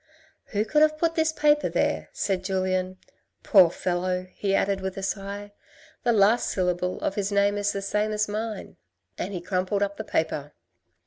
" Who could have put this paper there ?" said Julien. " Poor fellow !" he added with a sigh, " the last syllable of his name is the same as mine," and he crumpled up the paper.